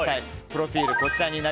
プロフィールです。